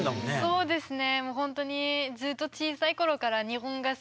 そうですね。